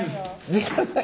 時間ない。